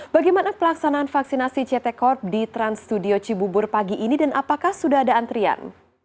bagaimana pelaksanaan vaksinasi ct corp di trans studio cibubur pagi ini dan apakah sudah ada antrian